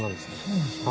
そうなんですか。